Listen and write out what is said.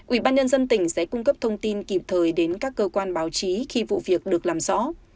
ủy ban nhân dân tỉnh sẽ cung cấp thông tin kịp thời đến các cơ quan báo chí khi vụ việc được làm rõ